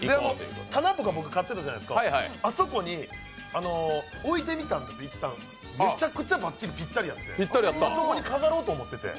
棚とか僕、買ってたじゃないですかあそこに置いてみたんです、めちゃくちゃぴったり合って、あそこに飾ろうと思って。